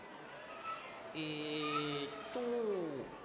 えっと。